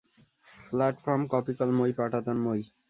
Platform, কপিকল, মই, পাটাতন, মই।